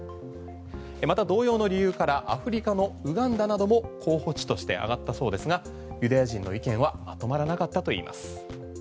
また同様の理由からアフリカのウガンダなども候補地として挙がったそうですがユダヤ人の意見はまとまらなかったといいます。